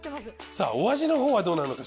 さぁお味のほうはどうなのか？